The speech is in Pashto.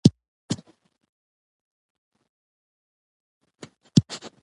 د روم او ساسا ني حکومت جنګیالېیو ډېر وو.